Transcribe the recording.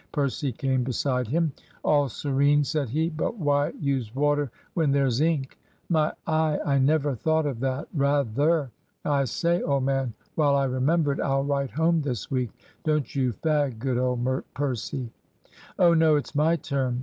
Percy came beside him. "All serene," said he; "but why use water when there's ink?" "My eye! I never thought of that. Rather! I say, old man, while I remember it, I'll write home this week. Don't you fag, good old Percy." "Oh no, it's my turn."